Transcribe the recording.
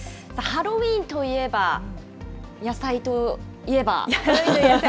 ハロウィーンといえば、野菜といえば。